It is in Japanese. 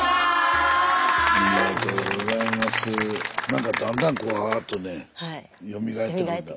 何かだんだんこうわっとねよみがえってくる。